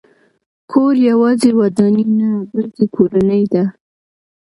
کور یوازې ودانۍ نه، بلکې کورنۍ ده.